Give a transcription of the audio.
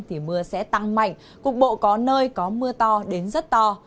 thì mưa sẽ tăng mạnh cục bộ có nơi có mưa to đến rất to